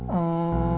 harus selalu mengalah